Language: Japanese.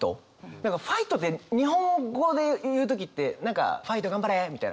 何か「ファイト」って日本語で言う時って何か「ファイト頑張れ！」みたいな。